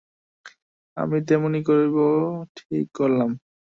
আমিও তেমনি করব ঠিক করলাম।